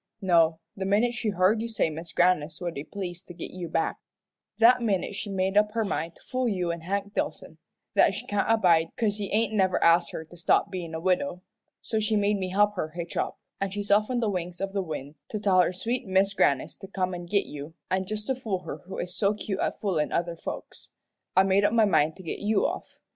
No the minute she heard you say Mis' Grannis would be pleased to git you back, that minute she made up her mind to fool you and Hank Dillson that she can't abide 'cause he ain't never asked her to stop bein' a widow. So she made me help her hitch up, an' she's off on the wings of the wind to tell her sweet Mis' Grannis to come an' git you; an' just to fool her who is so cute at foolin' other folks, I made up my mind to git you off.